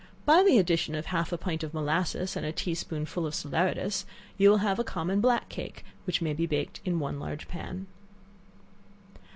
By the addition of half a pint of molasses and a tea spoonful of salaeratus, you will have a common black cake, which may be baked in one large pan.